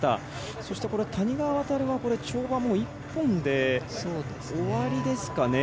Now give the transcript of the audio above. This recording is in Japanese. そして谷川航はこれ、跳馬も１本で終わりですかね。